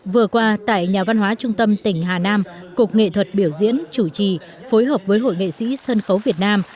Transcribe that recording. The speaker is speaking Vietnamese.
vừa qua tại nhà văn hóa trung tâm tỉnh hà nam cục nghệ thuật biểu diễn chủ trì phối hợp với hội nghệ sĩ sân khấu việt nam